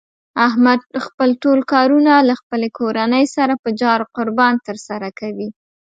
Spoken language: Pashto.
احمد خپل ټول کارونه له خپلې کورنۍ سره په جار قربان تر سره کوي.